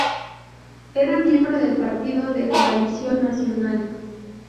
Era miembro del partido de coalición nacional.